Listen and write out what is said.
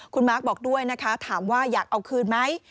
คุณมาร์คบอกด้วยนะคะถามว่าอยากเอาคืนไหม